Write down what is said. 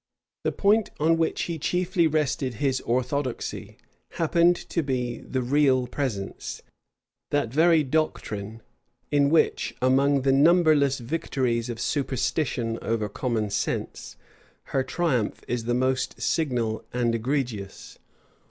The point on which he chiefly rested his orthodoxy happened to be the real presence; that very doctrine, in which, among the numberless victories of superstition over common sense, her triumph is the most signal and egregious.